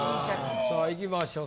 さあ行きましょう。